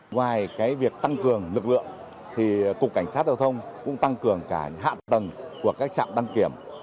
ngoài việc tăng cường lực lượng cục cảnh sát hệ thống cũng tăng cường cả hạ tầng của các trạm đăng kiểm